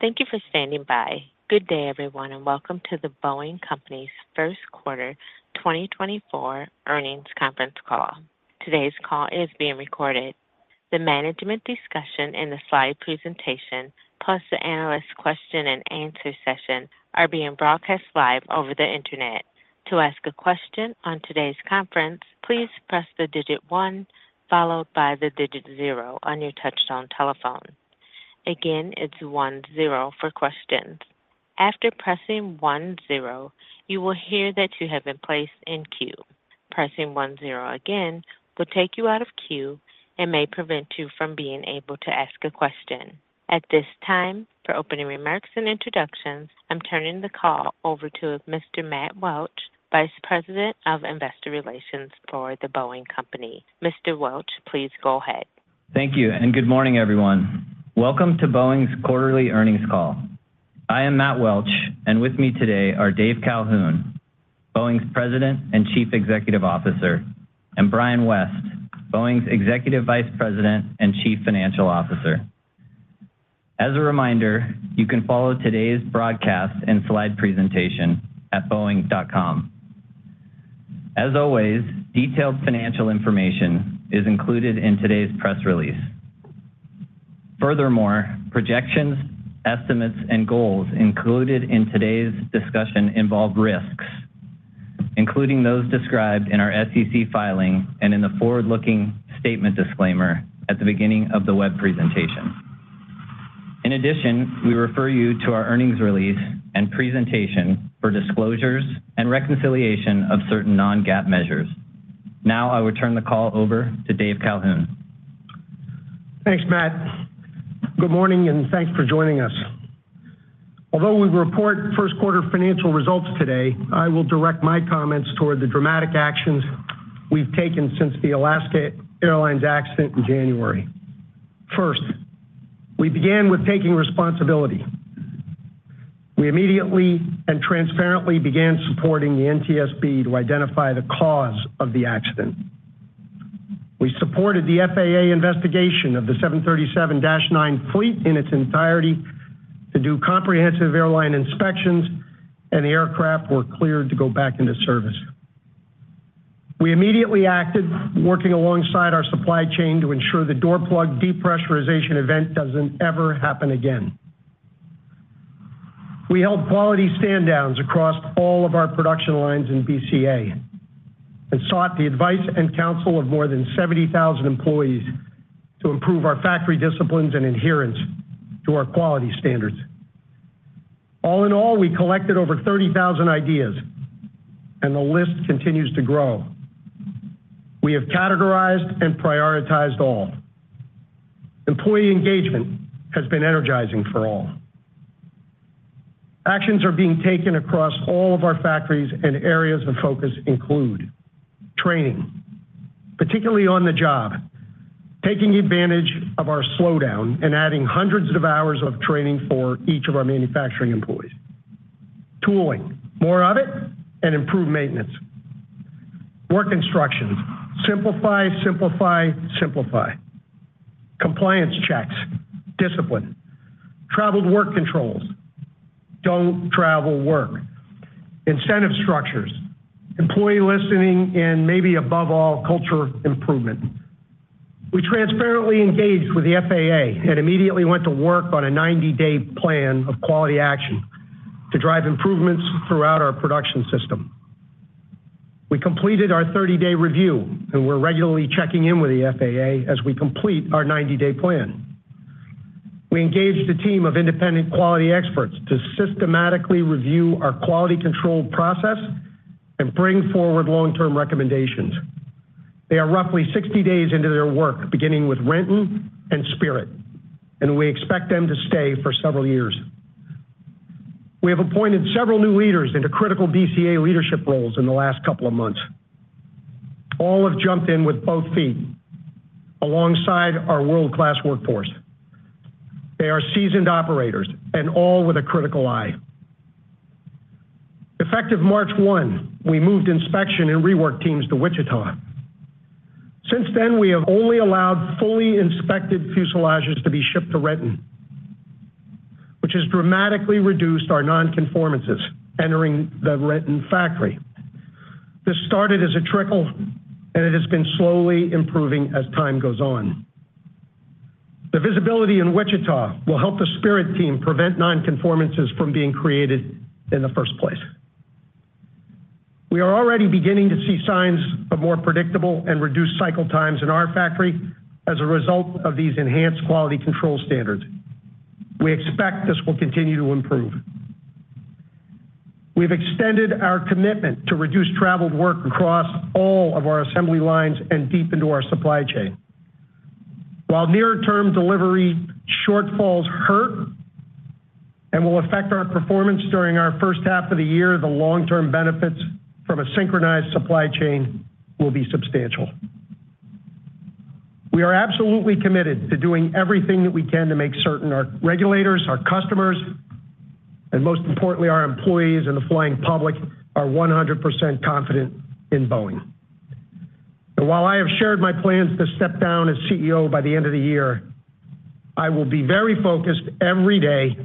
Thank you for standing by. Good day, everyone, and welcome to The Boeing Company's first quarter 2024 earnings conference call. Today's call is being recorded. The management discussion and the slide presentation, plus the analyst question and answer session, are being broadcast live over the Internet. To ask a question on today's conference, please press the digit one, followed by the digit zero on your touchtone telephone. Again, it's one, zero for questions. After pressing one, zero, you will hear that you have been placed in queue. Pressing one, zero again will take you out of queue and may prevent you from being able to ask a question. At this time, for opening remarks and introductions, I'm turning the call over to Mr. Matt Welch, Vice President of Investor Relations for The Boeing Company. Mr. Welch, please go ahead. Thank you, and good morning, everyone. Welcome to Boeing's quarterly earnings call. I am Matt Welch, and with me today are Dave Calhoun, Boeing's President and Chief Executive Officer, and Brian West, Boeing's Executive Vice President and Chief Financial Officer. As a reminder, you can follow today's broadcast and slide presentation at boeing.com. As always, detailed financial information is included in today's press release. Furthermore, projections, estimates, and goals included in today's discussion involve risks, including those described in our SEC filing and in the forward-looking statement disclaimer at the beginning of the web presentation. In addition, we refer you to our earnings release and presentation for disclosures and reconciliation of certain non-GAAP measures. Now I will turn the call over to Dave Calhoun. Thanks, Matt. Good morning, and thanks for joining us. Although we report first quarter financial results today, I will direct my comments toward the dramatic actions we've taken since the Alaska Airlines accident in January. First, we began with taking responsibility. We immediately and transparently began supporting the NTSB to identify the cause of the accident. We supported the FAA investigation of the 737-9 fleet in its entirety to do comprehensive airline inspections, and the aircraft were cleared to go back into service. We immediately acted, working alongside our supply chain to ensure the door plug depressurization event doesn't ever happen again. We held quality standdowns across all of our production lines in BCA and sought the advice and counsel of more than 70,000 employees to improve our factory disciplines and adherence to our quality standards. All in all, we collected over 30,000 ideas, and the list continues to grow. We have categorized and prioritized all. Employee engagement has been energizing for all. Actions are being taken across all of our factories, and areas of focus include training, particularly on the job, taking advantage of our slowdown and adding hundreds of hours of training for each of our manufacturing employees. Tooling, more of it, and improved maintenance. Work instructions, simplify, simplify, simplify. Compliance checks, discipline, traveled work controls, don't travel work, incentive structures, employee listening, and maybe above all, culture improvement. We transparently engaged with the FAA and immediately went to work on a 90-day plan of quality action to drive improvements throughout our production system. We completed our 30-day review, and we're regularly checking in with the FAA as we complete our 90-day plan. We engaged a team of independent quality experts to systematically review our quality control process and bring forward long-term recommendations. They are roughly 60 days into their work, beginning with Renton and Spirit, and we expect them to stay for several years. We have appointed several new leaders into critical BCA leadership roles in the last couple of months. All have jumped in with both feet alongside our world-class workforce. They are seasoned operators and all with a critical eye. Effective March 1, we moved inspection and rework teams to Wichita. Since then, we have only allowed fully inspected fuselages to be shipped to Renton, which has dramatically reduced our non-conformances entering the Renton factory. This started as a trickle, and it has been slowly improving as time goes on. The visibility in Wichita will help the Spirit team prevent non-conformances from being created in the first place. We are already beginning to see signs of more predictable and reduced cycle times in our factory as a result of these enhanced quality control standards. We expect this will continue to improve. We've extended our commitment to reduce traveled work across all of our assembly lines and deep into our supply chain. While near-term delivery shortfalls hurt and will affect our performance during our first half of the year, the long-term benefits from a synchronized supply chain will be substantial. We are absolutely committed to doing everything that we can to make certain our regulators, our customers, and most importantly, our employees and the flying public, are 100% confident in Boeing. And while I have shared my plans to step down as CEO by the end of the year, I will be very focused every day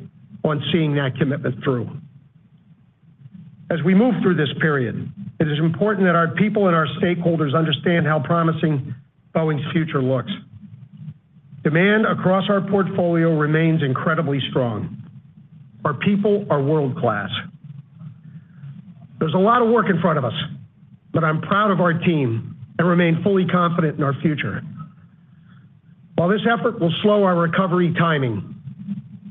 on seeing that commitment through. As we move through this period, it is important that our people and our stakeholders understand how promising Boeing's future looks. Demand across our portfolio remains incredibly strong. Our people are world-class. There's a lot of work in front of us, but I'm proud of our team and remain fully confident in our future. While this effort will slow our recovery timing,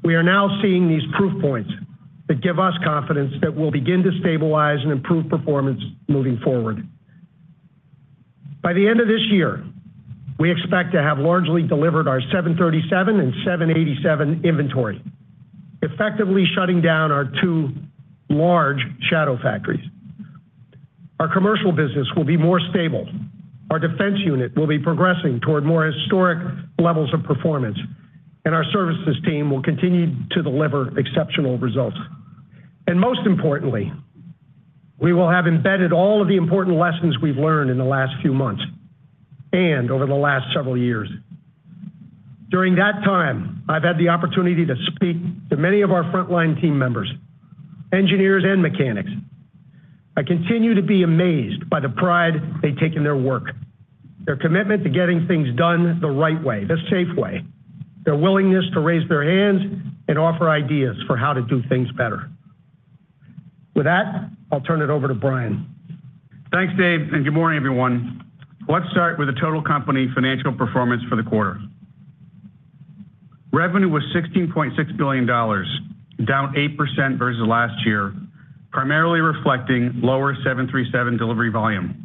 we are now seeing these proof points that give us confidence that we'll begin to stabilize and improve performance moving forward. By the end of this year, we expect to have largely delivered our 737 and 787 inventory, effectively shutting down our two large shadow factories. Our commercial business will be more stable, our defense unit will be progressing toward more historic levels of performance, and our services team will continue to deliver exceptional results. Most importantly, we will have embedded all of the important lessons we've learned in the last few months and over the last several years. During that time, I've had the opportunity to speak to many of our frontline team members, engineers, and mechanics. I continue to be amazed by the pride they take in their work, their commitment to getting things done the right way, the safe way, their willingness to raise their hands and offer ideas for how to do things better. With that, I'll turn it over to Brian. Thanks, Dave, and good morning, everyone. Let's start with the total company financial performance for the quarter. Revenue was $16.6 billion, down 8% versus last year, primarily reflecting lower 737 delivery volume.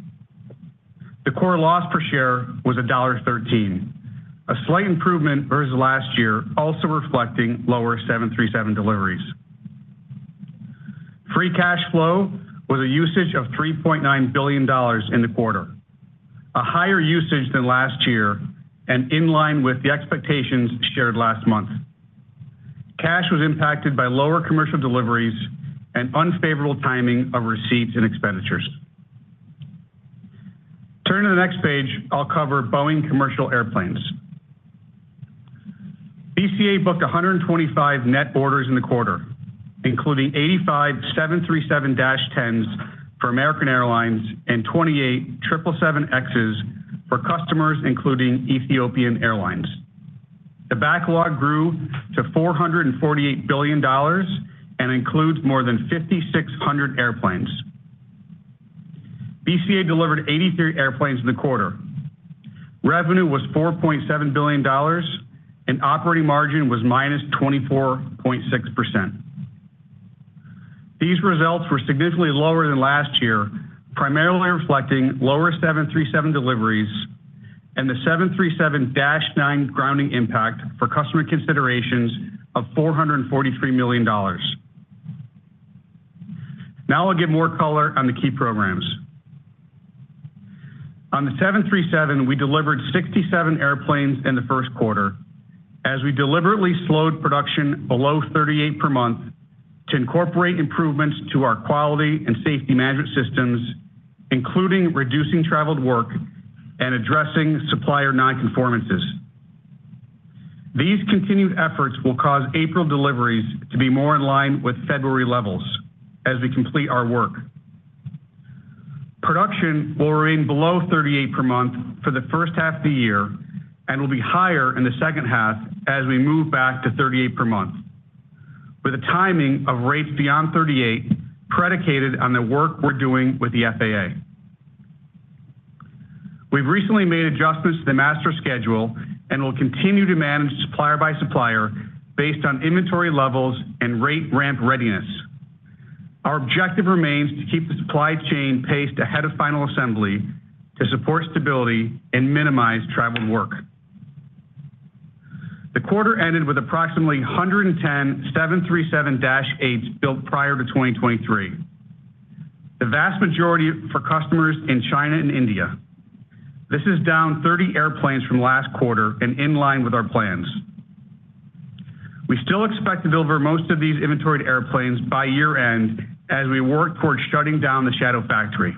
The core loss per share was $1.13, a slight improvement versus last year, also reflecting lower 737 deliveries. Free cash flow was a usage of $3.9 billion in the quarter, a higher usage than last year and in line with the expectations shared last month. Cash was impacted by lower commercial deliveries and unfavorable timing of receipts and expenditures. Turn to the next page, I'll cover Boeing Commercial Airplanes. BCA booked 125 net orders in the quarter, including 85 737-10s for American Airlines and 28 777Xs for customers, including Ethiopian Airlines. The backlog grew to $448 billion and includes more than 5,600 airplanes. BCA delivered 83 airplanes in the quarter. Revenue was $4.7 billion, and operating margin was -24.6%. These results were significantly lower than last year, primarily reflecting lower 737 deliveries and the 737-9 grounding impact for customer considerations of $443 million. Now I'll give more color on the key programs. On the 737, we delivered 67 airplanes in the first quarter as we deliberately slowed production below 38 per month to incorporate improvements to our quality and safety management systems, including reducing traveled work and addressing supplier non-conformances. These continued efforts will cause April deliveries to be more in line with February levels as we complete our work. Production will remain below 38 per month for the first half of the year and will be higher in the second half as we move back to 38 per month, with the timing of rates beyond 38 predicated on the work we're doing with the FAA. We've recently made adjustments to the master schedule and will continue to manage supplier by supplier based on inventory levels and rate ramp readiness. Our objective remains to keep the supply chain paced ahead of final assembly to support stability and minimize traveled work. The quarter ended with approximately 110 737-8s built prior to 2023. The vast majority for customers in China and India. This is down 30 airplanes from last quarter and in line with our plans. We still expect to deliver most of these inventoried airplanes by year-end as we work towards shutting down the shadow factory.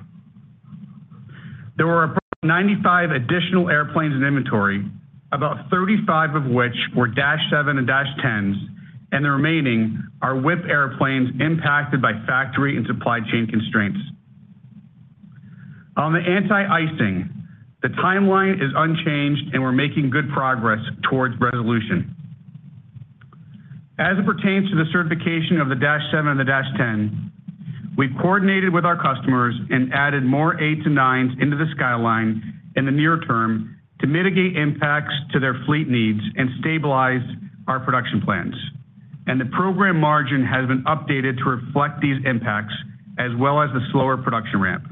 There were about 95 additional airplanes in inventory, about 35 of which were dash seven and dash 10s, and the remaining are WIP airplanes impacted by factory and supply chain constraints. On the anti-icing, the timeline is unchanged, and we're making good progress towards resolution. As it pertains to the certification of the dash seven and the dash ten, we've coordinated with our customers and added more eights and nines into the skyline in the near term to mitigate impacts to their fleet needs and stabilize our production plans. And the program margin has been updated to reflect these impacts, as well as the slower production ramp.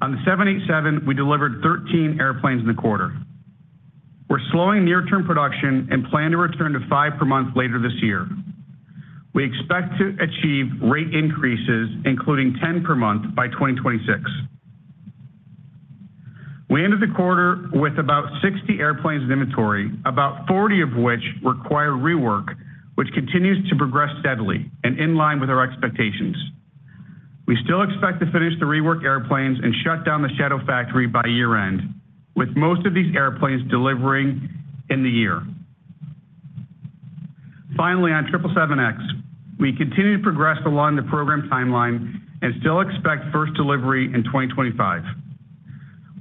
On the 787, we delivered 13 airplanes in the quarter. We're slowing near-term production and plan to return to five per month later this year. We expect to achieve rate increases, including 10 per month by 2026. We ended the quarter with about 60 airplanes in inventory, about 40 of which require rework, which continues to progress steadily and in line with our expectations. We still expect to finish the rework airplanes and shut down the shadow factory by year-end, with most of these airplanes delivering in the year. Finally, on 777X, we continue to progress along the program timeline and still expect first delivery in 2025.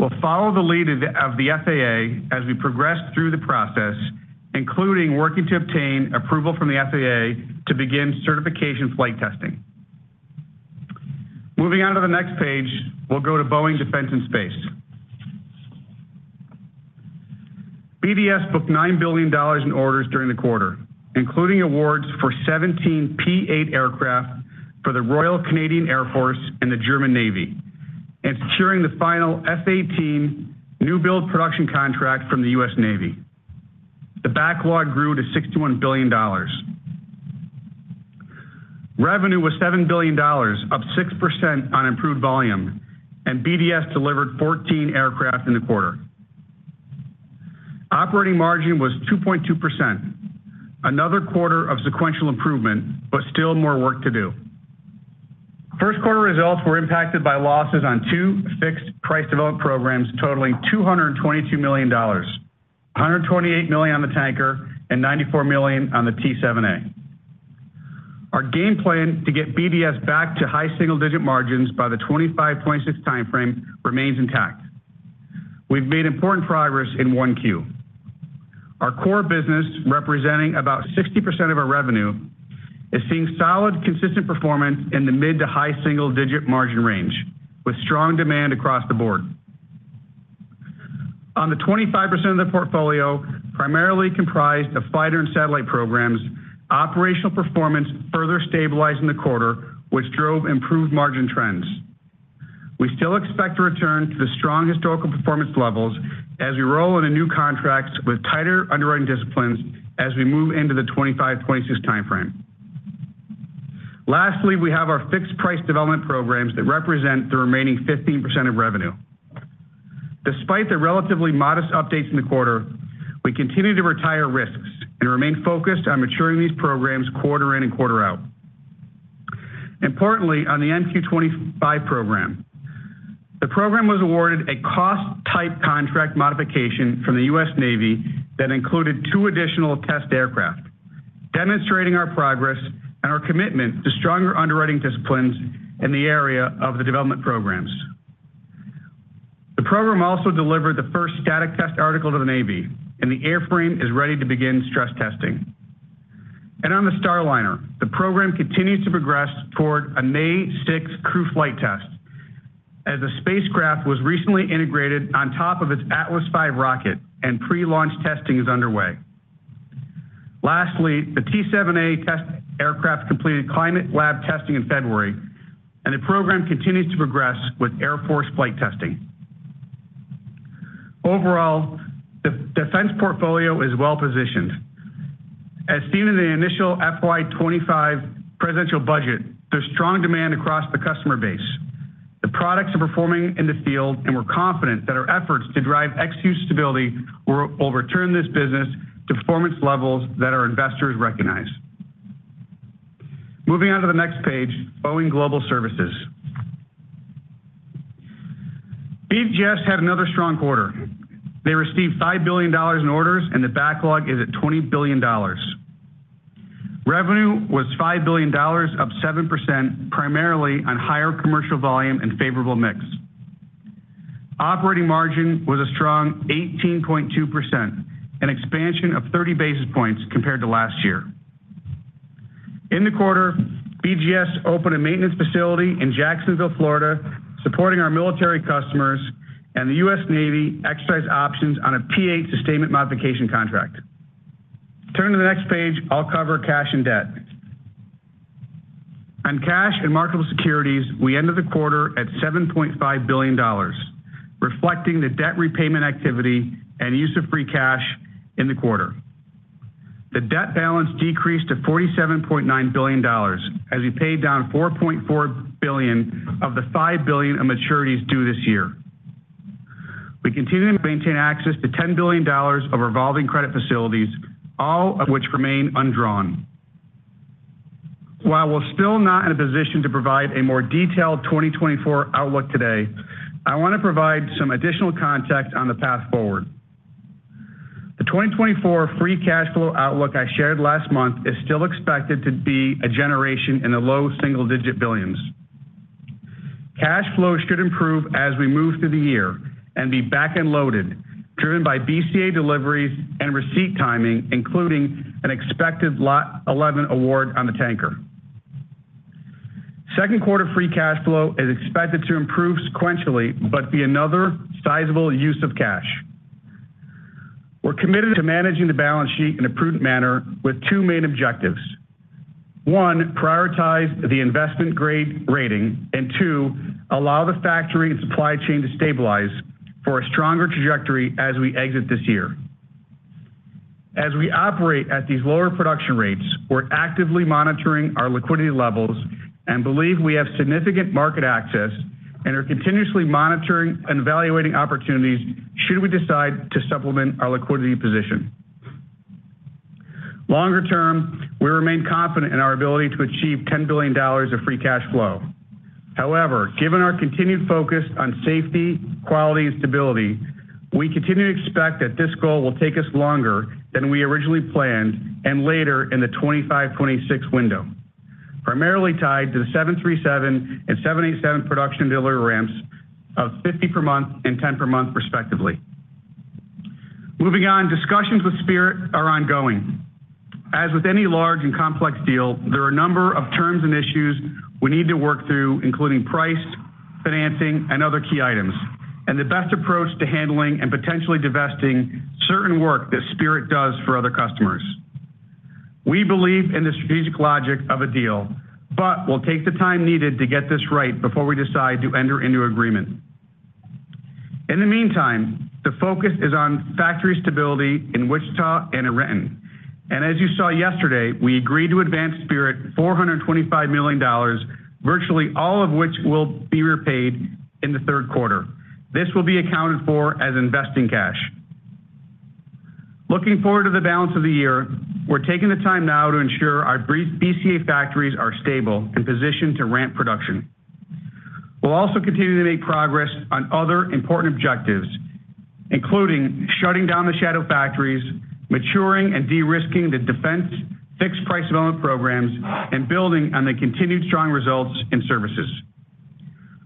We'll follow the lead of the FAA as we progress through the process, including working to obtain approval from the FAA to begin certification flight testing. Moving on to the next page, we'll go to Boeing Defense and Space. BDS booked $9 billion in orders during the quarter, including awards for 17 P-8 aircraft for the Royal Canadian Air Force and the German Navy, and securing the final F-18 new build production contract from the U.S. Navy. The backlog grew to $61 billion. Revenue was $7 billion, up 6% on improved volume, and BDS delivered 14 aircraft in the quarter. Operating margin was 2.2%. Another quarter of sequential improvement, but still more work to do. First quarter results were impacted by losses on two fixed-price development programs, totaling $222 million, $128 million on the tanker and $94 million on the T-7A. Our game plan to get BDS back to high single-digit margins by the 2025-2026 timeframe remains intact. We've made important progress in 1Q. Our core business, representing about 60% of our revenue, is seeing solid, consistent performance in the mid to high single-digit margin range, with strong demand across the board. On the 25% of the portfolio, primarily comprised of fighter and satellite programs, operational performance further stabilized in the quarter, which drove improved margin trends. We still expect to return to the strong historical performance levels as we roll in a new contract with tighter underwriting disciplines as we move into the 2025, 2026 timeframe. Lastly, we have our fixed-price development programs that represent the remaining 15% of revenue. Despite the relatively modest updates in the quarter, we continue to retire risks and remain focused on maturing these programs quarter in and quarter out. Importantly, on the MQ-25 program, the program was awarded a cost-type contract modification from the U.S. Navy that included two additional test aircraft, demonstrating our progress and our commitment to stronger underwriting disciplines in the area of the development programs. The program also delivered the first static test article to the Navy, and the airframe is ready to begin stress testing. And on the Starliner, the program continues to progress toward a May 6 crew flight test, as the spacecraft was recently integrated on top of its Atlas V rocket, and pre-launch testing is underway. Lastly, the T-7A test aircraft completed climate lab testing in February, and the program continues to progress with Air Force flight testing. Overall, the defense portfolio is well-positioned. As seen in the initial FY 2025 presidential budget, there's strong demand across the customer base. The products are performing in the field, and we're confident that our efforts to drive execute stability will return this business to performance levels that our investors recognize. Moving on to the next page, Boeing Global Services. BGS had another strong quarter. They received $5 billion in orders, and the backlog is at $20 billion. Revenue was $5 billion, up 7%, primarily on higher commercial volume and favorable mix. Operating margin was a strong 18.2%, an expansion of 30 basis points compared to last year. In the quarter, BGS opened a maintenance facility in Jacksonville, Florida, supporting our military customers, and the U.S. Navy exercise options on a P-8 sustainment modification contract. Turn to the next page, I'll cover cash and debt. On cash and marketable securities, we ended the quarter at $7.5 billion, reflecting the debt repayment activity and use of free cash in the quarter. The debt balance decreased to $47.9 billion as we paid down $4.4 billion of the $5 billion of maturities due this year. We continue to maintain access to $10 billion of revolving credit facilities, all of which remain undrawn. While we're still not in a position to provide a more detailed 2024 outlook today, I want to provide some additional context on the path forward. The 2024 free cash flow outlook I shared last month is still expected to be a generation in the low single-digit billions. Cash flow should improve as we move through the year and be back-end loaded, driven by BCA deliveries and receipt timing, including an expected Lot 11 award on the tanker. Second quarter free cash flow is expected to improve sequentially, but be another sizable use of cash. We're committed to managing the balance sheet in a prudent manner with two main objectives. One, prioritize the investment-grade rating. And two, allow the factory and supply chain to stabilize for a stronger trajectory as we exit this year. As we operate at these lower production rates, we're actively monitoring our liquidity levels and believe we have significant market access, and are continuously monitoring and evaluating opportunities should we decide to supplement our liquidity position. Longer term, we remain confident in our ability to achieve $10 billion of free cash flow. However, given our continued focus on safety, quality, and stability, we continue to expect that this goal will take us longer than we originally planned, and later in the 2025, 2026 window, primarily tied to the 737 and 787 production delivery ramps of 50 per month and 10 per month respectively. Moving on, discussions with Spirit are ongoing. As with any large and complex deal, there are a number of terms and issues we need to work through, including price, financing, and other key items, and the best approach to handling and potentially divesting certain work that Spirit does for other customers. We believe in the strategic logic of a deal, but we'll take the time needed to get this right before we decide to enter into agreement. In the meantime, the focus is on factory stability in Wichita and in Renton. As you saw yesterday, we agreed to advance Spirit $425 million, virtually all of which will be repaid in the third quarter. This will be accounted for as investing cash. Looking forward to the balance of the year, we're taking the time now to ensure our three BCA factories are stable and positioned to ramp production. We'll also continue to make progress on other important objectives, including shutting down the shadow factories, maturing and de-risking the defense fixed price development programs, and building on the continued strong results in services.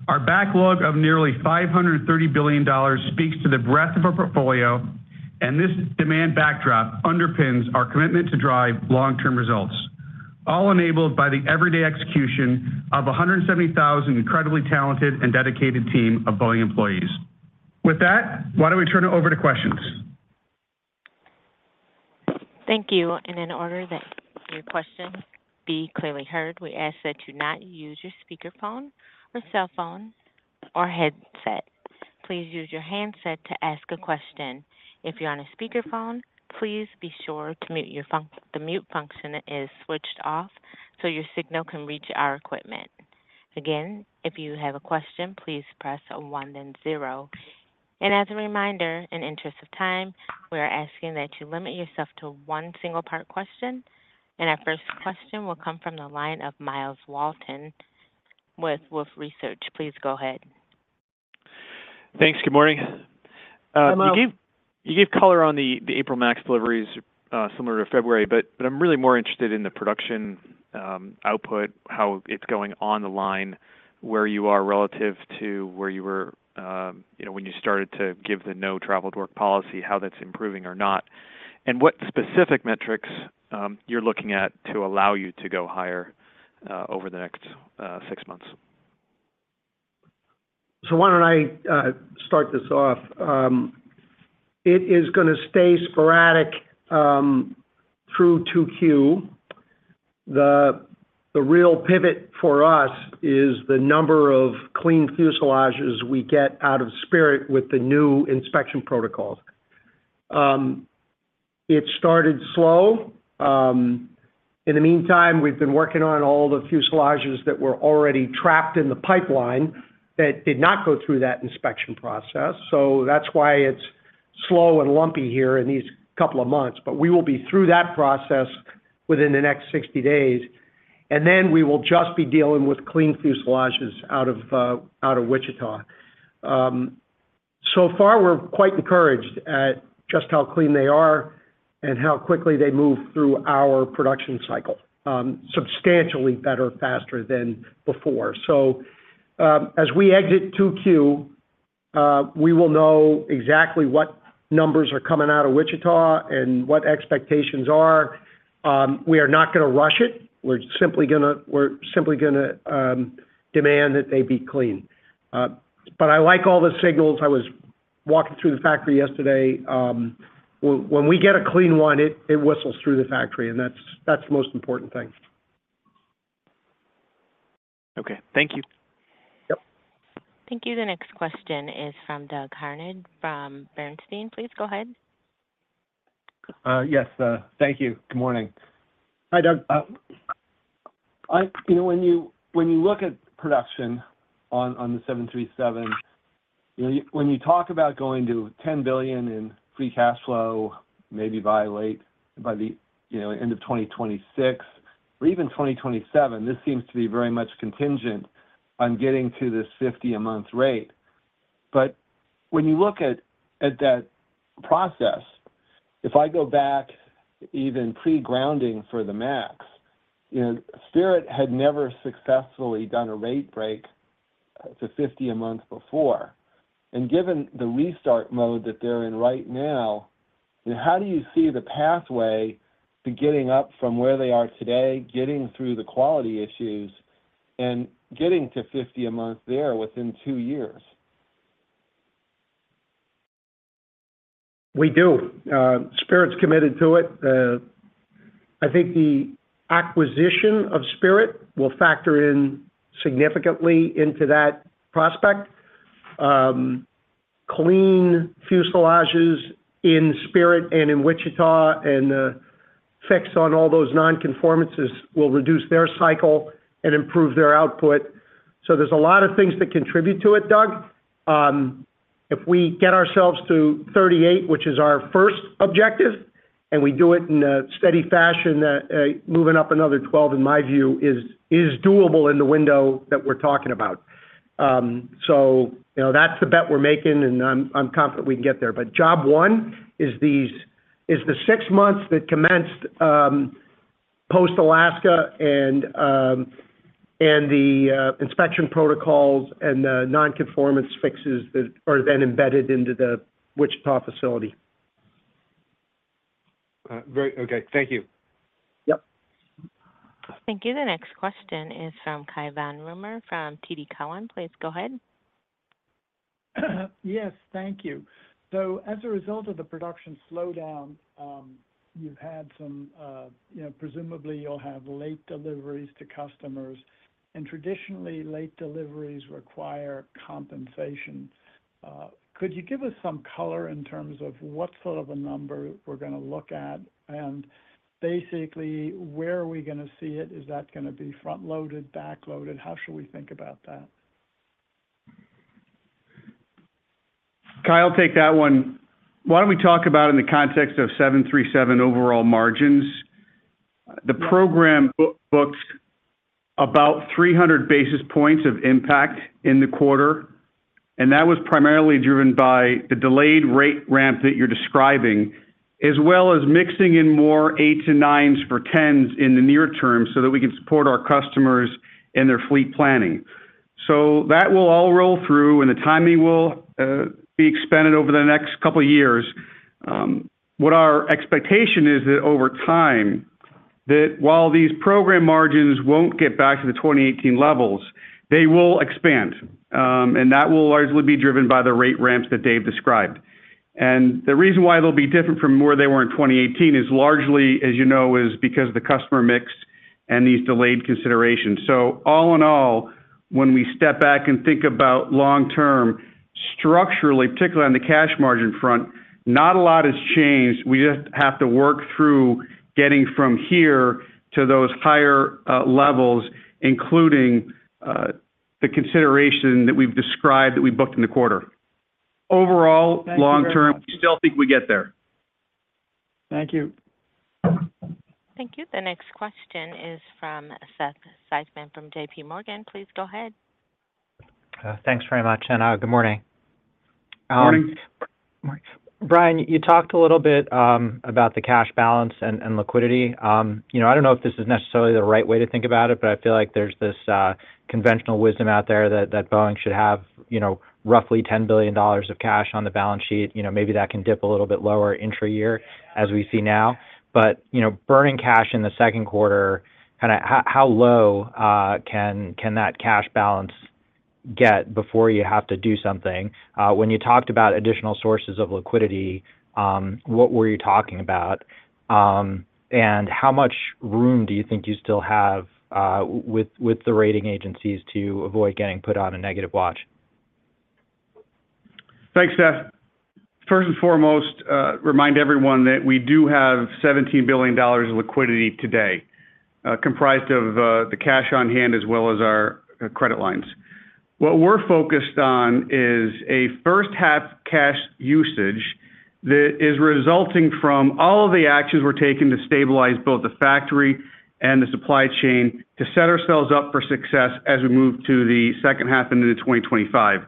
Our backlog of nearly $530 billion speaks to the breadth of our portfolio, and this demand backdrop underpins our commitment to drive long-term results, all enabled by the everyday execution of 170,000 incredibly talented and dedicated team of Boeing employees. With that, why don't we turn it over to questions? Thank you. And in order that your questions be clearly heard, we ask that you not use your speakerphone or cell phone or headset. Please use your handset to ask a question. If you're on a speakerphone, please be sure that the mute function is switched off, so your signal can reach our equipment. Again, if you have a question, please press star one. And as a reminder, in interest of time, we are asking that you limit yourself to one single part question. And our first question will come from the line of Myles Walton with Wolfe Research. Please go ahead. Thanks. Good morning. Hello. You gave, you gave color on the, the April MAX deliveries, similar to February, but, but I'm really more interested in the production, output, how it's going on the line, where you are relative to where you were, you know, when you started to give the no traveled work policy, how that's improving or not, and what specific metrics, you're looking at to allow you to go higher, over the next, six months? So why don't I start this off? It is gonna stay sporadic through 2Q. The real pivot for us is the number of clean fuselages we get out of Spirit with the new inspection protocols. It started slow. In the meantime, we've been working on all the fuselages that were already trapped in the pipeline that did not go through that inspection process. So that's why it's slow and lumpy here in these couple of months. But we will be through that process within the next 60 days, and then we will just be dealing with clean fuselages out of Wichita. So far, we're quite encouraged at just how clean they are and how quickly they move through our production cycle. Substantially better, faster than before. As we exit 2Q, we will know exactly what numbers are coming out of Wichita and what expectations are. We are not gonna rush it. We're simply gonna demand that they be clean. But I like all the signals. I was walking through the factory yesterday. When we get a clean one, it whistles through the factory, and that's the most important thing. Okay. Thank you. Yep. Thank you. The next question is from Doug Harned, from Bernstein. Please go ahead. Yes, thank you. Good morning. Hi, Doug. You know, when you, when you look at production on, on the 737, you know, when you talk about going to $10 billion in free cash flow, maybe by late by the, you know, end of 2026 or even 2027, this seems to be very much contingent on getting to this 50 a month rate. But when you look at, at that process, if I go back even pre-grounding for the MAX, you know, Spirit had never successfully done a rate break to 50 a month before. And given the restart mode that they're in right now, how do you see the pathway to getting up from where they are today, getting through the quality issues, and getting to 50 a month there within two years? We do. Spirit's committed to it. I think the acquisition of Spirit will factor in significantly into that prospect. Clean fuselages in Spirit and in Wichita, and the fix on all those non-conformances will reduce their cycle and improve their output. So there's a lot of things that contribute to it, Doug. If we get ourselves to 38, which is our first objective, and we do it in a steady fashion, moving up another 12, in my view, is doable in the window that we're talking about. So, you know, that's the bet we're making, and I'm confident we can get there. But job one is the six months that commenced, post-Alaska and the inspection protocols and the nonconformance fixes that are then embedded into the Wichita facility. Okay, thank you. Yep. Thank you. The next question is from Cai von Rumohr, from TD Cowen. Please go ahead. Yes, thank you. As a result of the production slowdown, you've had some, you know, presumably you'll have late deliveries to customers, and traditionally, late deliveries require compensation. Could you give us some color in terms of what sort of a number we're gonna look at? And basically, where are we gonna see it? Is that gonna be front-loaded, back-loaded? How should we think about that? Cai, I'll take that one. Why don't we talk about in the context of 737 overall margins? The program booked about 300 basis points of impact in the quarter, and that was primarily driven by the delayed rate ramp that you're describing, as well as mixing in more eights to nines for 10s in the near term so that we can support our customers in their fleet planning. So that will all roll through, and the timing will be expanded over the next couple of years. What our expectation is that over time, that while these program margins won't get back to the 2018 levels, they will expand, and that will largely be driven by the rate ramps that Dave described. The reason why they'll be different from where they were in 2018 is largely, as you know, because of the customer mix and these delayed considerations. All in all, when we step back and think about long term, structurally, particularly on the cash margin front, not a lot has changed. We just have to work through getting from here to those higher levels, including the consideration that we've described that we booked in the quarter. Overall, long term Thank you very much. We still think we get there. Thank you. Thank you. The next question is from Seth Seifman from JPMorgan. Please go ahead. Thanks very much, and good morning. Morning. Brian, you talked a little bit about the cash balance and liquidity. You know, I don't know if this is necessarily the right way to think about it, but I feel like there's this conventional wisdom out there that Boeing should have, you know, roughly $10 billion of cash on the balance sheet, you know, maybe that can dip a little bit lower intra-year as we see now. But, you know, burning cash in the second quarter, kinda, how low can that cash balance get before you have to do something? When you talked about additional sources of liquidity, what were you talking about? And how much room do you think you still have with the rating agencies to avoid getting put on a negative watch? Thanks, Seth. First and foremost, remind everyone that we do have $17 billion of liquidity today, comprised of the cash on hand as well as our credit lines. What we're focused on is a first half cash usage that is resulting from all of the actions we're taking to stabilize both the factory and the supply chain to set ourselves up for success as we move to the second half into 2025.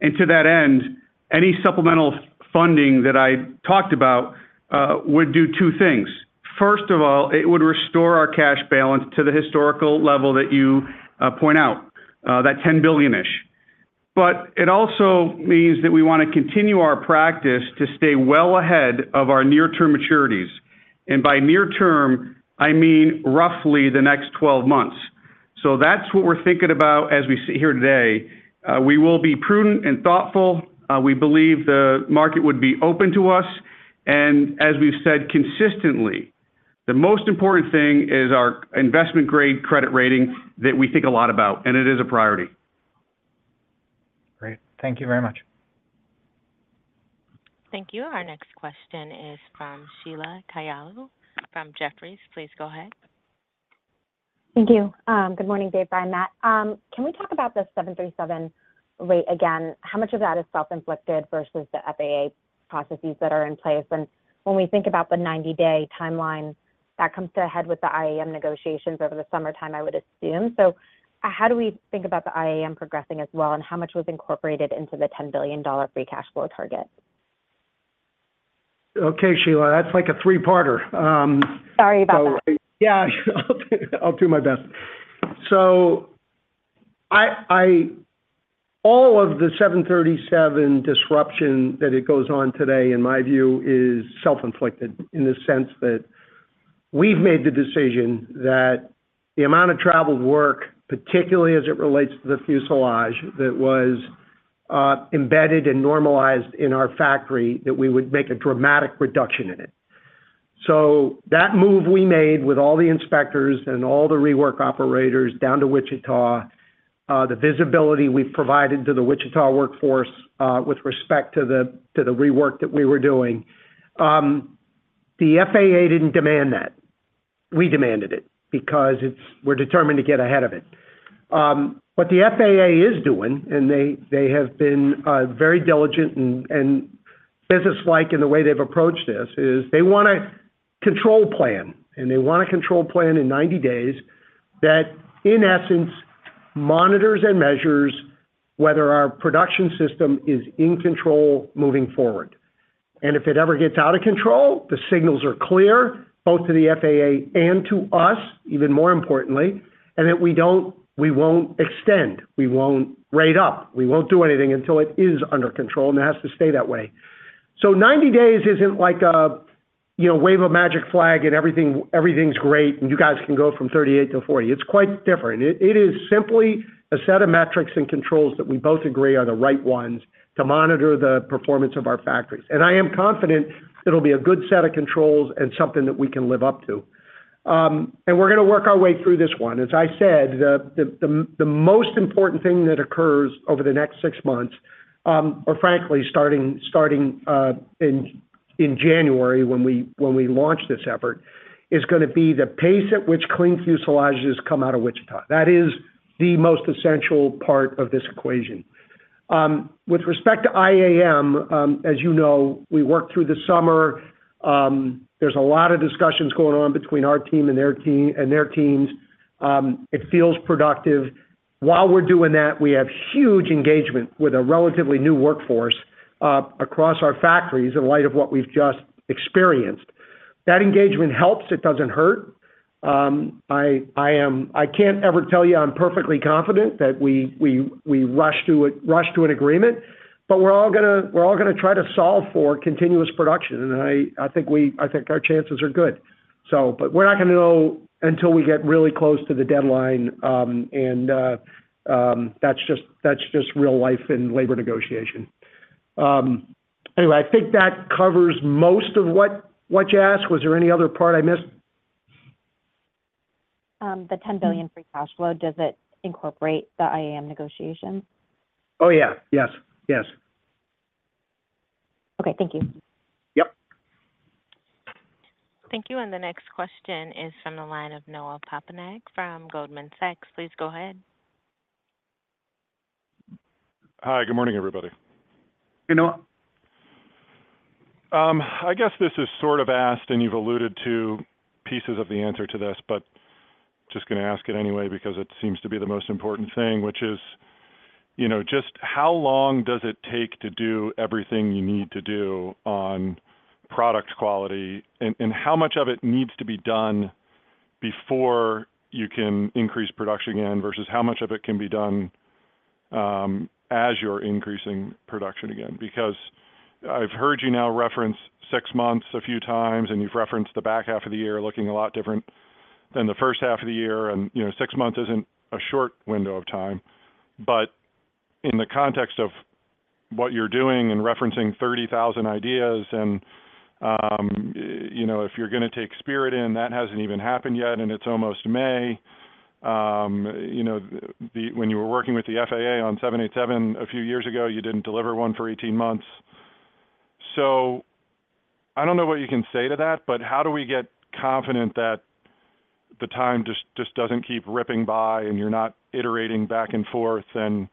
And to that end, any supplemental funding that I talked about would do two things. First of all, it would restore our cash balance to the historical level that you point out that $10 billion-ish. But it also means that we wanna continue our practice to stay well ahead of our near-term maturities, and by near-term, I mean, roughly the next 12 months. That's what we're thinking about as we sit here today. We will be prudent and thoughtful. We believe the market would be open to us, and as we've said consistently, the most important thing is our investment-grade credit rating that we think a lot about, and it is a priority. Great. Thank you very much. Thank you. Our next question is from Sheila Kahyaoglu from Jefferies. Please go ahead. Thank you. Good morning, Dave, Brian, Matt. Can we talk about the 737 rate again? How much of that is self-inflicted versus the FAA processes that are in place? When we think about the 90-day timeline, that comes to a head with the IAM negotiations over the summertime, I would assume. How do we think about the IAM progressing as well, and how much was incorporated into the $10 billion free cash flow target? Okay, Sheila, that's like a three-parter. Sorry about that. Yeah, I'll do my best. So all of the 737 disruption that goes on today, in my view, is self-inflicted, in the sense that we've made the decision that the amount of traveled work, particularly as it relates to the fuselage, that was embedded and normalized in our factory that we would make a dramatic reduction in it. So that move we made with all the inspectors and all the rework operators down to Wichita, the visibility we've provided to the Wichita workforce, with respect to the rework that we were doing, the FAA didn't demand that. We demanded it because it's, we're determined to get ahead of it. What the FAA is doing, and they have been very diligent and businesslike in the way they've approached this, is they want a control plan, and they want a control plan in 90 days that, in essence, monitors and measures whether our production system is in control moving forward. And if it ever gets out of control, the signals are clear, both to the FAA and to us, even more importantly, and that we don't—we won't extend, we won't rate up. We won't do anything until it is under control, and it has to stay that way. So 90 days isn't like a, you know, wave a magic flag and everything, everything's great, and you guys can go from 38 to 40. It's quite different. It is simply a set of metrics and controls that we both agree are the right ones to monitor the performance of our factories. I am confident it'll be a good set of controls and something that we can live up to. We're going to work our way through this one. As I said, the most important thing that occurs over the next six months, or frankly, starting in January, when we launch this effort, is going to be the pace at which clean fuselages come out of Wichita. That is the most essential part of this equation. With respect to IAM, as you know, we worked through the summer. There's a lot of discussions going on between our team and their team, and their teams. It feels productive. While we're doing that, we have huge engagement with a relatively new workforce across our factories in light of what we've just experienced. That engagement helps. It doesn't hurt. I can't ever tell you I'm perfectly confident that we rush to an agreement, but we're all going to try to solve for continuous production, and I think our chances are good. So, but we're not going to know until we get really close to the deadline, and that's just real life in labor negotiation. Anyway, I think that covers most of what you asked. Was there any other part I missed? The $10 billion free cash flow, does it incorporate the IAM negotiation? Oh, yeah. Yes. Yes. Okay. Thank you. Yep. Thank you. And the next question is from the line of Noah Poponak from Goldman Sachs. Please go ahead. Hi, good morning, everybody. Hey, Noah. I guess this is sort of asked, and you've alluded to pieces of the answer to this, but just going to ask it anyway because it seems to be the most important thing, which is, you know, just how long does it take to do everything you need to do on product quality? And how much of it needs to be done before you can increase production again, versus how much of it can be done, as you're increasing production again? Because I've heard you now reference six months a few times, and you've referenced the back half of the year looking a lot different than the first half of the year. And, you know, six months isn't a short window of time, but in the context of what you're doing and referencing 30,000 ideas and, you know, if you're going to take Spirit in, that hasn't even happened yet, and it's almost May. You know, when you were working with the FAA on 787 a few years ago, you didn't deliver one for 18 months. So I don't know what you can say to that, but how do we get confident that the time just, just doesn't keep ripping by, and you're not iterating back and forth, and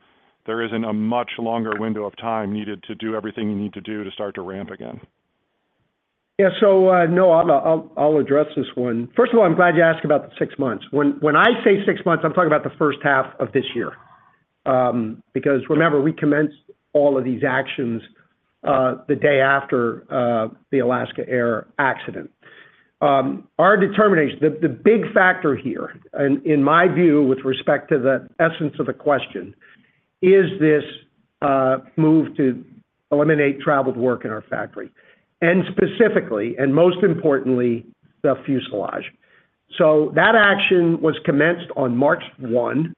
there isn't a much longer window of time needed to do everything you need to do to start to ramp again? Yeah. So, Noah, I'll address this one. First of all, I'm glad you asked about the six months. When I say six months, I'm talking about the first half of this year. Because remember, we commenced all of these actions the day after the Alaska Air accident. Our determination, the big factor here, and in my view, with respect to the essence of the question, is this move to eliminate traveled work in our factory, and specifically, and most importantly, the fuselage. So that action was commenced on March 1,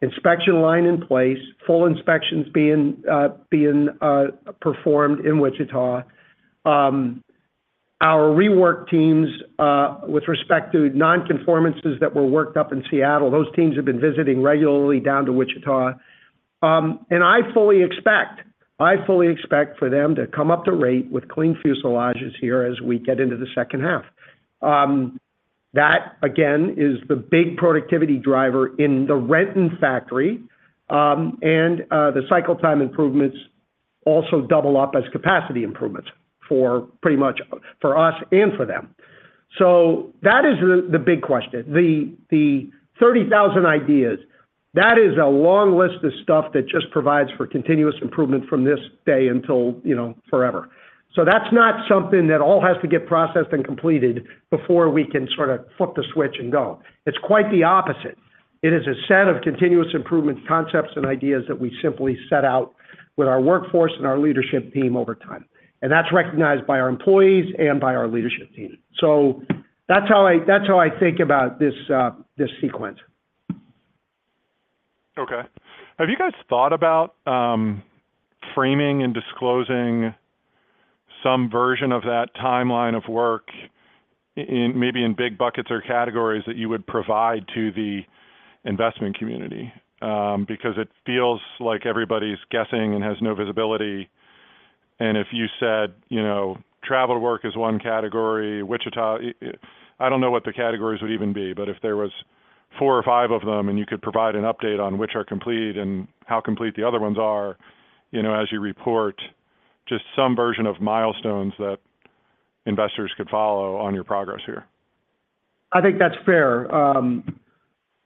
inspection line in place, full inspections being performed in Wichita. Our rework teams, with respect to non-conformances that were worked up in Seattle, those teams have been visiting regularly down to Wichita. I fully expect, I fully expect for them to come up to rate with clean fuselages here as we get into the second half. That, again, is the big productivity driver in the Renton factory, and the cycle time improvements also double up as capacity improvements for pretty much, for us and for them. So that is the big question. The 30,000 ideas, that is a long list of stuff that just provides for continuous improvement from this day until, you know, forever. So that's not something that all has to get processed and completed before we can sort of flip the switch and go. It's quite the opposite. It is a set of continuous improvement concepts and ideas that we simply set out with our workforce and our leadership team over time, and that's recognized by our employees and by our leadership team. That's how I, that's how I think about this, this sequence. Okay. Have you guys thought about framing and disclosing some version of that timeline of work in big buckets or categories that you would provide to the investment community? Because it feels like everybody's guessing and has no visibility. And if you said, you know, traveled work is one category, Wichita, I don't know what the categories would even be, but if there was four or five of them, and you could provide an update on which are complete and how complete the other ones are, you know, as you report, just some version of milestones that investors could follow on your progress here. I think that's fair.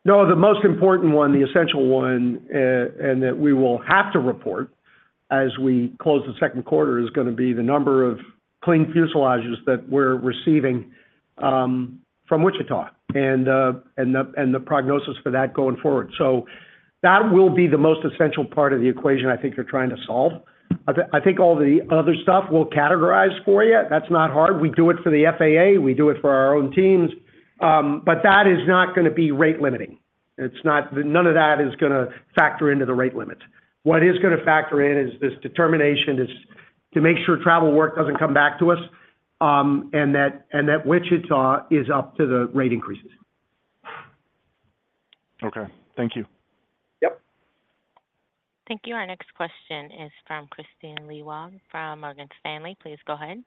No, the most important one, the essential one, and that we will have to report as we close the second quarter, is gonna be the number of clean fuselages that we're receiving, from Wichita, and, and the, and the prognosis for that going forward. So that will be the most essential part of the equation I think you're trying to solve. I think all the other stuff we'll categorize for you. That's not hard. We do it for the FAA, we do it for our own teams, but that is not gonna be rate limiting. It's not. None of that is gonna factor into the rate limit. What is gonna factor in is this determination is to make sure traveled work doesn't come back to us, and that, and that Wichita is up to the rate increases. Okay. Thank you. Yep. Thank you. Our next question is from Kristine Liwag from Morgan Stanley. Please go ahead.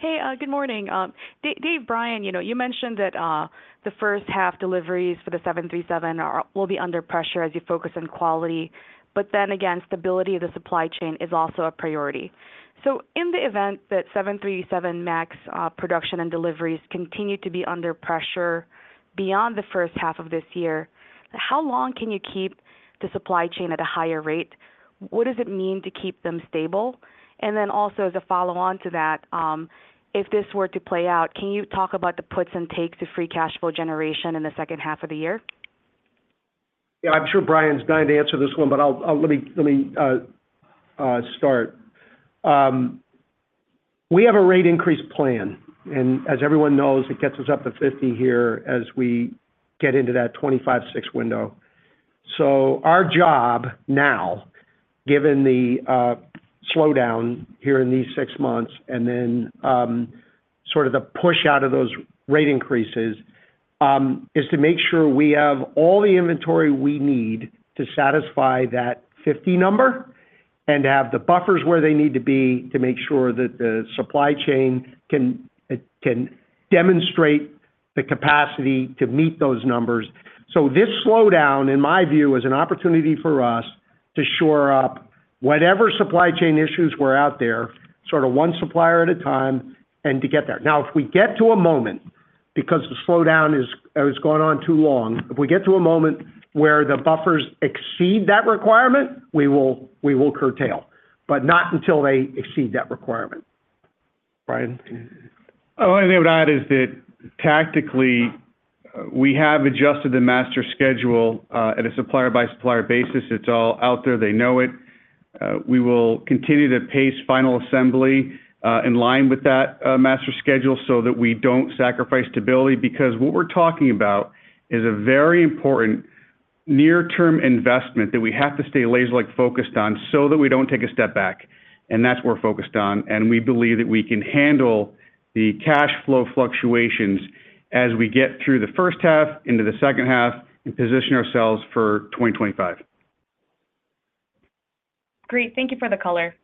Hey, good morning. Dave, Brian, you know, you mentioned that the first half deliveries for the 737 will be under pressure as you focus on quality, but then again, stability of the supply chain is also a priority. So in the event that 737 MAX production and deliveries continue to be under pressure beyond the first half of this year, how long can you keep the supply chain at a higher rate? What does it mean to keep them stable? And then also, as a follow-on to that, if this were to play out, can you talk about the puts and takes of free cash flow generation in the second half of the year? Yeah, I'm sure Brian's dying to answer this one, but I'll let me start. We have a rate increase plan, and as everyone knows, it gets us up to 50 here as we get into that 25-six window. So our job now, given the slowdown here in these 6 months, and then sort of the push out of those rate increases, is to make sure we have all the inventory we need to satisfy that 50 number and to have the buffers where they need to be to make sure that the supply chain can demonstrate the capacity to meet those numbers. So this slowdown, in my view, is an opportunity for us to shore up whatever supply chain issues were out there, sort of one supplier at a time, and to get there. Now, if we get to a moment, because the slowdown is going on too long, if we get to a moment where the buffers exceed that requirement, we will curtail, but not until they exceed that requirement. Brian? Oh, the only thing I would add is that tactically, we have adjusted the master schedule, at a supplier-by-supplier basis. It's all out there. They know it. We will continue to pace final assembly, in line with that, master schedule so that we don't sacrifice stability, because what we're talking about is a very important near-term investment that we have to stay laser-like focused on so that we don't take a step back, and that's we're focused on. And we believe that we can handle the cash flow fluctuations as we get through the first half into the second half and position ourselves for 2025. Great. Thank you for the color.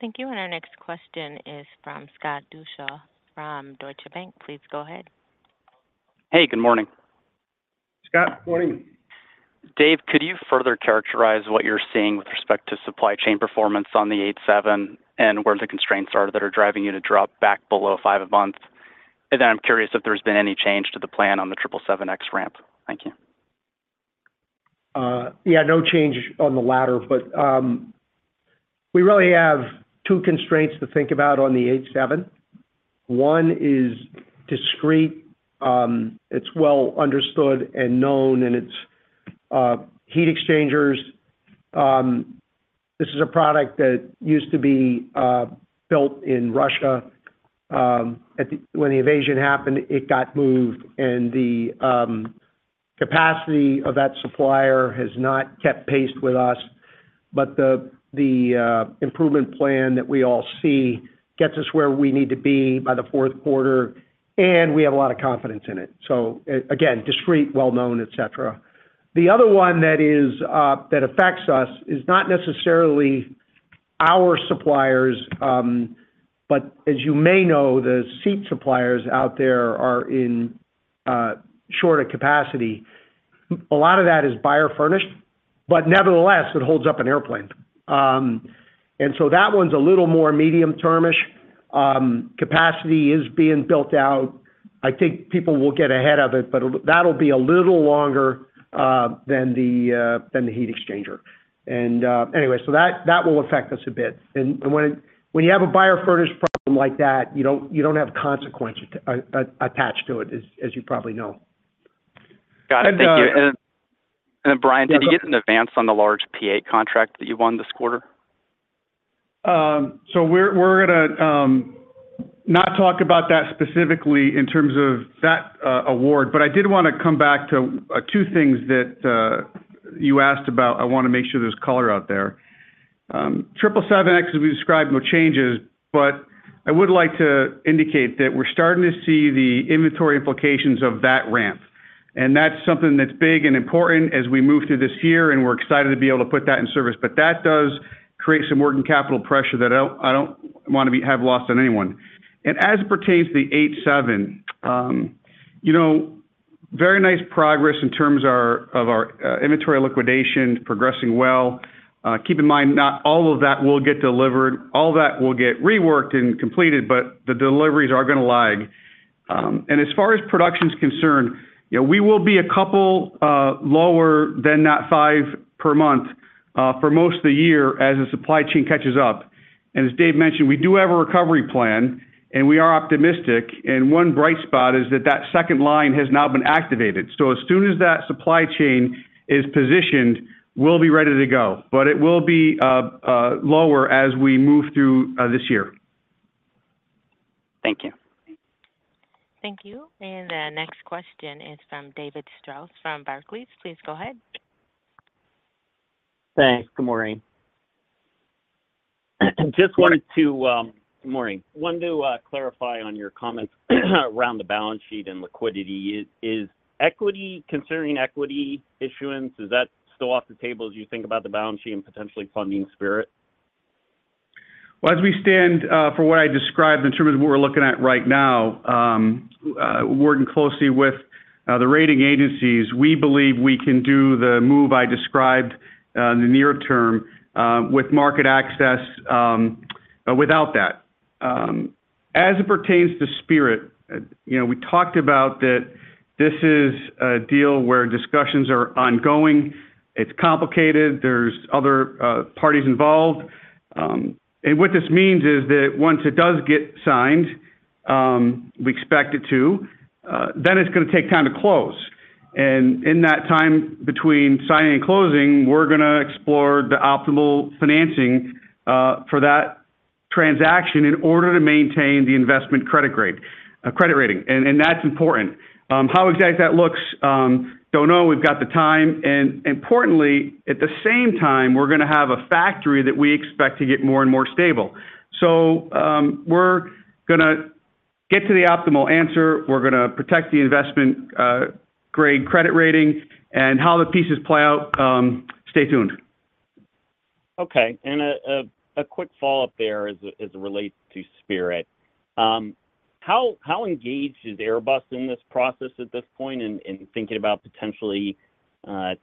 Thank you. And our next question is from Scott Deuschle from Deutsche Bank. Please go ahead. Hey, good morning. Scott, good morning. Dave, could you further characterize what you're seeing with respect to supply chain performance on the 787 and where the constraints are that are driving you to drop back below five a month? And then I'm curious if there's been any change to the plan on the 777X ramp. Thank you. Yeah, no change on the latter, but we really have two constraints to think about on the 787. One is discrete. It's well understood and known, and it's heat exchangers. This is a product that used to be built in Russia. When the invasion happened, it got moved, and the capacity of that supplier has not kept pace with us, but the improvement plan that we all see gets us where we need to be by the fourth quarter, and we have a lot of confidence in it. So again, discrete, well-known, etc. The other one that affects us is not necessarily our suppliers, but as you may know, the seat suppliers out there are short of capacity. A lot of that is buyer furnished, but nevertheless, it holds up an airplane. And so that one's a little more medium-termish. Capacity is being built out. I think people will get ahead of it, but it'll, that'll be a little longer than the heat exchanger. Anyway, so that will affect us a bit. And when you have a buyer furnished problem like that, you don't have consequences attached to it, as you probably know. Got it. Thank you. And then Brian, did you get an advance on the large P-8A contract that you won this quarter? So we're gonna not talk about that specifically in terms of that award, but I did wanna come back to two things that you asked about. I wanna make sure there's color out there. 777, as we described, no changes, but I would like to indicate that we're starting to see the inventory implications of that ramp, and that's something that's big and important as we move through this year, and we're excited to be able to put that in service. But that does create some working capital pressure that I don't wanna have lost on anyone. And as it pertains to the 787, you know, very nice progress in terms of our inventory liquidation, progressing well. Keep in mind, not all of that will get delivered. All that will get reworked and completed, but the deliveries are gonna lag. And as far as production is concerned, you know, we will be a couple lower than that five per month for most of the year as the supply chain catches up. And as Dave mentioned, we do have a recovery plan, and we are optimistic, and one bright spot is that that second line has now been activated. So as soon as that supply chain is positioned, we'll be ready to go. But it will be lower as we move through this year. Thank you. Thank you. The next question is from David Strauss from Barclays. Please go ahead. Thanks. Good morning. Just wanted to clarify on your comments around the balance sheet and liquidity. Is, is equity, considering equity issuance, is that still off the table as you think about the balance sheet and potentially funding Spirit? Well, as we stand for what I described in terms of what we're looking at right now, working closely with the rating agencies, we believe we can do the move I described in the near term with market access without that. As it pertains to Spirit, you know, we talked about that this is a deal where discussions are ongoing. It's complicated. There's other parties involved. And what this means is that once it does get signed, we expect it to then it's gonna take time to close. And in that time between signing and closing, we're gonna explore the optimal financing for that transaction in order to maintain the investment-grade credit rating, and that's important. How exactly that looks, don't know. We've got the time, and importantly, at the same time, we're gonna have a factory that we expect to get more and more stable. So, we're gonna get to the optimal answer. We're gonna protect the investment-grade credit rating and how the pieces play out, stay tuned. Okay. And a quick follow-up there as it relates to Spirit. How engaged is Airbus in this process at this point in thinking about potentially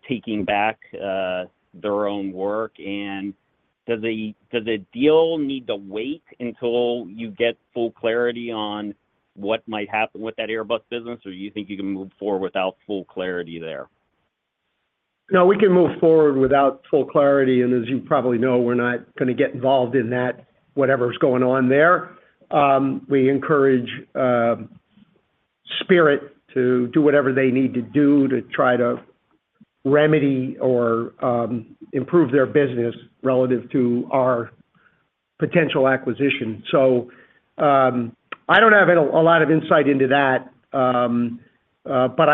taking back their own work? And does the deal need to wait until you get full clarity on what might happen with that Airbus business, or you think you can move forward without full clarity there? No, we can move forward without full clarity, and as you probably know, we're not gonna get involved in that, whatever's going on there. We encourage Spirit to do whatever they need to do to try to remedy or improve their business relative to our potential acquisition. So, I don't have a lot of insight into that, but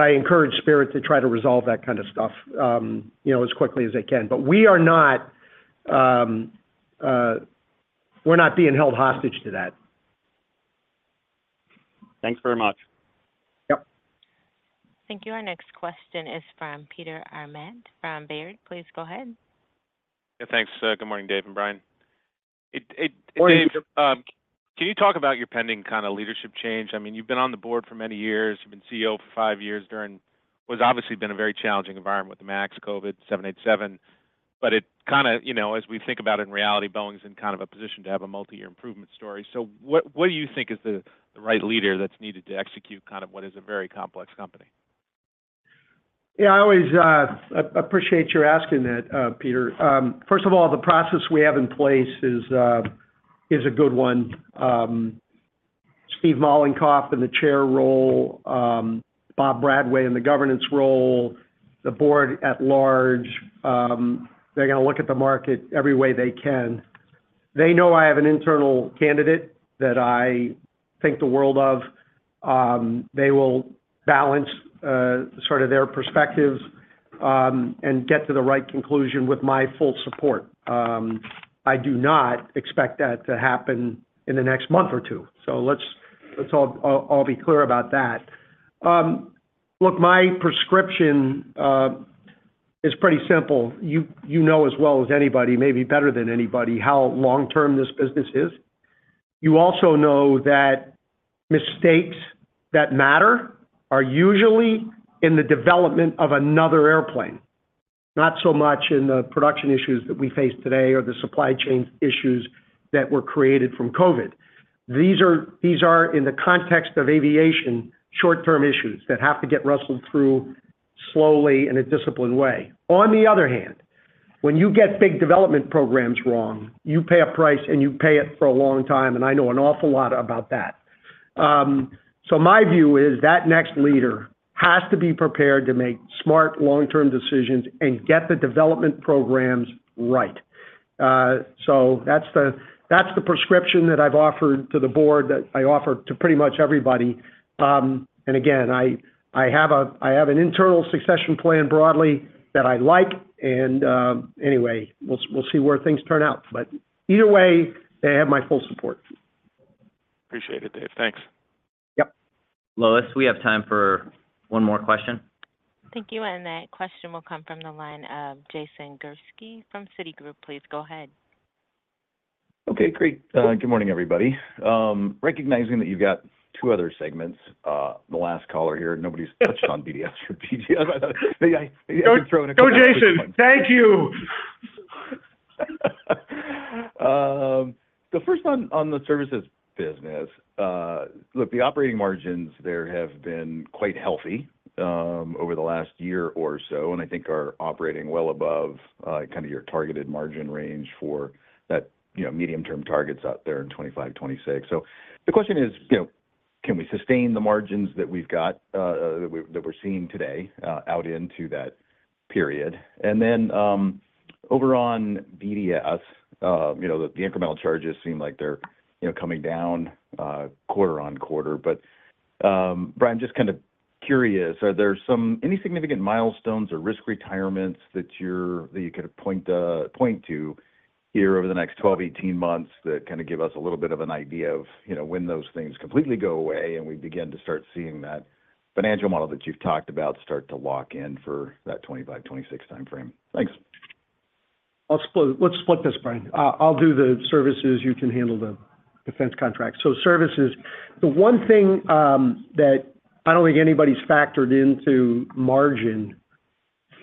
I encourage Spirit to try to resolve that kind of stuff, you know, as quickly as they can. But we are not, we're not being held hostage to that. Thanks very much. Yep. Thank you. Our next question is from Peter Arment from Baird. Please go ahead. Yeah, thanks. Good morning, Dave and Brian. Morning, Peter. Can you talk about your pending kinda leadership change? I mean, you've been on the board for many years. You've been CEO for five years during... it was obviously a very challenging environment with 737 MAX, COVID, 787. But it kinda, you know, as we think about it, in reality, Boeing's in kind of a position to have a multi-year improvement story. So what do you think is the right leader that's needed to execute kind of what is a very complex company? Yeah, I always appreciate your asking that, Peter. First of all, the process we have in place is a good one. Steve Mollenkopf in the Chair role, Bob Bradway in the governance role, the board at large, they're gonna look at the market every way they can. They know I have an internal candidate that I think the world of, they will balance sort of their perspectives, and get to the right conclusion with my full support. I do not expect that to happen in the next month or two, so let's all be clear about that. Look, my prescription is pretty simple. You know as well as anybody, maybe better than anybody, how long-term this business is. You also know that mistakes that matter are usually in the development of another airplane, not so much in the production issues that we face today or the supply chain issues that were created from COVID. These are in the context of aviation, short-term issues that have to get wrestled through- slowly, in a disciplined way. On the other hand, when you get big development programs wrong, you pay a price, and you pay it for a long time, and I know an awful lot about that. So my view is that next leader has to be prepared to make smart long-term decisions and get the development programs right. So that's the prescription that I've offered to the board, that I offer to pretty much everybody. And again, I have an internal succession plan broadly that I like, and anyway, we'll see where things turn out. But either way, they have my full support. Appreciate it, Dave. Thanks. Yep. Lois, we have time for one more question. Thank you, and that question will come from the line of Jason Gursky from Citigroup. Please go ahead. Okay, great. Good morning, everybody. Recognizing that you've got two other segments, the last caller here, nobody's touched on BDS or BGS. I thought maybe I Go, Jason! Thank you. So first on the services business, look, the operating margins there have been quite healthy over the last year or so, and I think are operating well above kind of your targeted margin range for that, you know, medium-term targets out there in 2025, 2026. So the question is, you know, can we sustain the margins that we've got that we're seeing today out into that period? And then over on BDS, you know, the incremental charges seem like they're, you know, coming down quarter-over-quarter. But, Brian, just kind of curious, are there any significant milestones or risk retirements that you could point to here over the next 12, 18 months that kind of give us a little bit of an idea of, you know, when those things completely go away and we begin to start seeing that financial model that you've talked about start to lock in for that 2025, 2026 time frame? Thanks. Let's split this, Brian. I'll do the services, you can handle the defense contract. So services, the one thing that I don't think anybody's factored into margin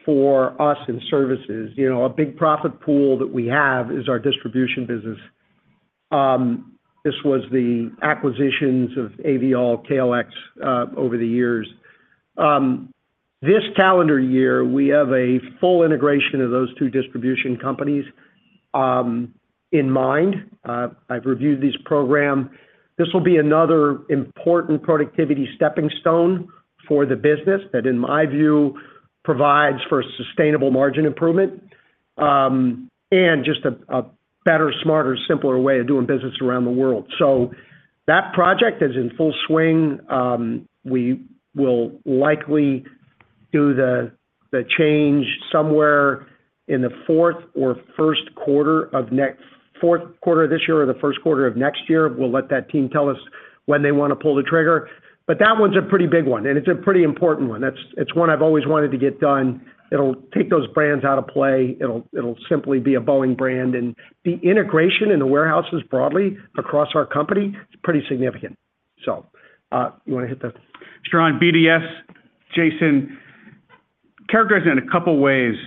for us in services, you know, a big profit pool that we have is our distribution business. This was the acquisitions of AVL, KLX over the years. This calendar year, we have a full integration of those two distribution companies in mind. I've reviewed this program. This will be another important productivity stepping stone for the business that, in my view, provides for a sustainable margin improvement, and just a better, smarter, simpler way of doing business around the world. So that project is in full swing. We will likely do the change somewhere in the fourth quarter of this year or the first quarter of next year. We'll let that team tell us when they wanna pull the trigger. But that one's a pretty big one, and it's a pretty important one. It's one I've always wanted to get done. It'll take those brands out of play. It'll simply be a Boeing brand. And the integration in the warehouses broadly across our company is pretty significant. So, you wanna hit the- Sure. On BDS, Jason, characterized in a couple of ways.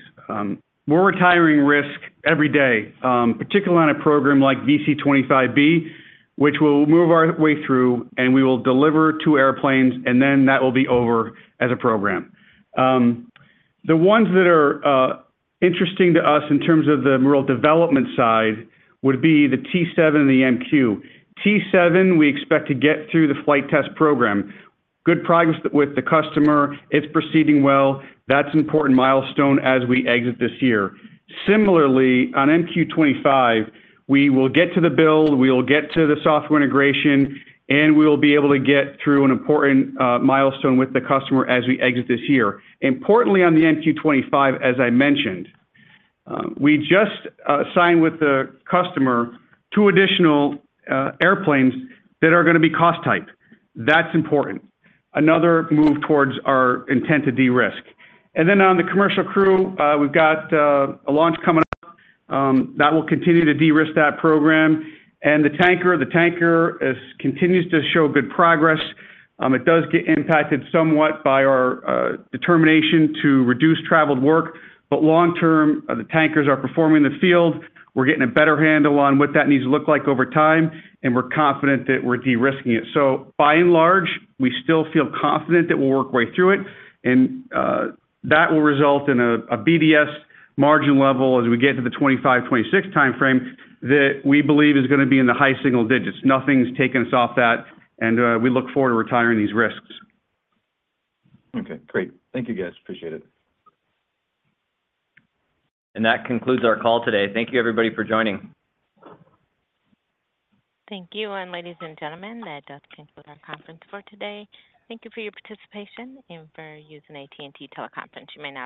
We're retiring risk every day, particularly on a program like VC-25B, which we'll move our way through, and we will deliver two airplanes, and then that will be over as a program. The ones that are interesting to us in terms of the real development side, would be the T-7 and the MQ. T-7, we expect to get through the flight test program. Good progress with the customer. It's proceeding well. That's an important milestone as we exit this year. Similarly, on MQ-25, we will get to the build, we will get to the software integration, and we will be able to get through an important milestone with the customer as we exit this year. Importantly, on the MQ-25, as I mentioned, we just signed with the customer two additional airplanes that are gonna be cost type. That's important. Another move towards our intent to de-risk. And then on the commercial crew, we've got a launch coming up that will continue to de-risk that program. And the tanker, the tanker continues to show good progress. It does get impacted somewhat by our determination to reduce traveled work, but long term, the tankers are performing in the field. We're getting a better handle on what that needs to look like over time, and we're confident that we're de-risking it. So by and large, we still feel confident that we'll work our way through it, and that will result in a BDS margin level as we get to the 2025-2026 time frame, that we believe is gonna be in the high single digits. Nothing's taken us off that, and we look forward to retiring these risks. Okay, great. Thank you, guys. Appreciate it. That concludes our call today. Thank you everybody for joining. Thank you. Ladies and gentlemen, that does conclude our conference for today. Thank you for your participation, and for using AT&T Teleconference, you may now disconnect.